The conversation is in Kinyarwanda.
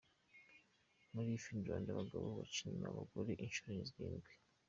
Muri Finland abagabo baca inyuma abagore inshuro zirindwi.